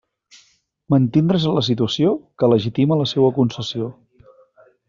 Mantindre's en la situació que legitima la seua concessió.